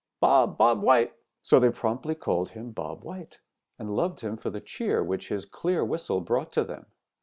Bob Bob White!' "So they promptly called him Bob White and loved him for the cheer which his clear whistle brought to them.